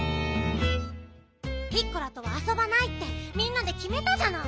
ピッコラとはあそばないってみんなできめたじゃない。